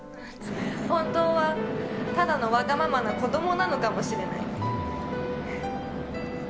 本当はただのわがままな子どもなのかもしれない。